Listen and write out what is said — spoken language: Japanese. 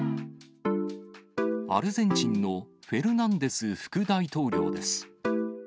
アルゼンチンのフェルナンデス副大統領です。